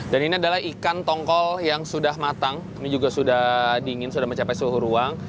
ini adalah ikan tongkol yang sudah matang ini juga sudah dingin sudah mencapai suhu ruang